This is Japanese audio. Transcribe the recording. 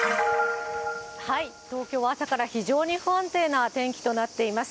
東京は朝から非常に不安定な天気となっています。